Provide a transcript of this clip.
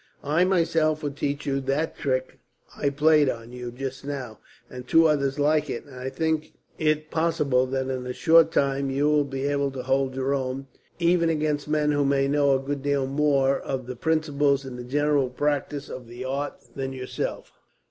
I myself will teach you that trick I played on you just now, and two others like it; and I think it possible that in a short time you will be able to hold your own, even against men who may know a good deal more of the principles and general practice of the art than yourself."